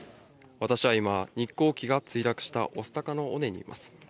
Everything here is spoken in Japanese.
私は今、日航機が墜落した御巣鷹の尾根にいます。